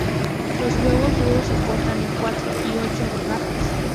Los huevos duros se cortan en cuatro u ocho rodajas.